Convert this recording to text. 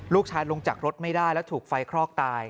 ลงจากรถไม่ได้แล้วถูกไฟคลอกตาย